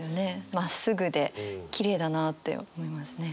まっすぐできれいだなって思いますね。